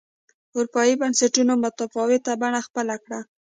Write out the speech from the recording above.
اروپایي بنسټونو متفاوته بڼه خپله کړه